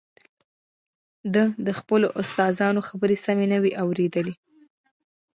ده د خپلو استادانو خبرې سمې نه اورېدې